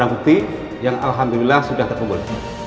dan berarti yang alhamdulillah sudah terpunggul